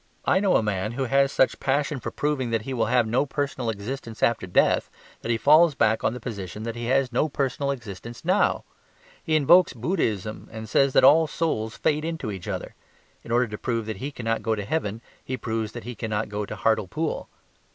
I know a man who has such a passion for proving that he will have no personal existence after death that he falls back on the position that he has no personal existence now. He invokes Buddhism and says that all souls fade into each other; in order to prove that he cannot go to heaven he proves that he cannot go to Hartlepool.